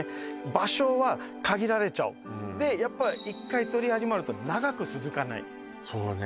場所は限られちゃうでやっぱ一回採り始めると長く続かないそうね